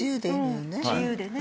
自由でね。